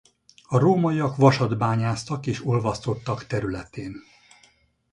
A rómaiak vasat bányásztak és olvasztottak területén.